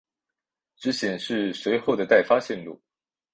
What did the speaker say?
只显示随后的待发线路。